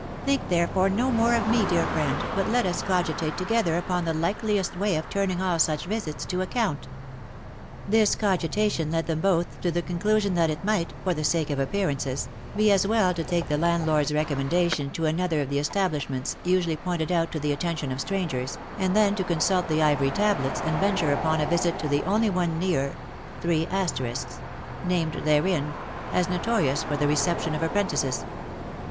Think therefore no more of me, dear friend, but let us cogitate together upon the likeliest way of turning all such visits to account." This cogitation led them both to the conclusion that it might, for the sake of appearances, be as well to take the landlord's recommendation to another of the establishments, usually pointed out to the attention of strangers, and then to consult the ivory tablets, and venture upon a visit to the only one near named therein, as notorious for the reception of apprentices.